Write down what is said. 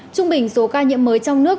trung bình số ca nhiễm mới trong nước